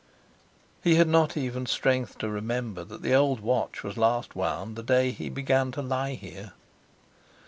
He had not even strength to remember that the old watch was last wound the day he began to lie here.